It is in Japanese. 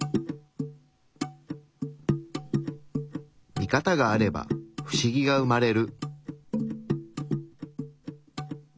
ミカタがあればフシギが生まれる。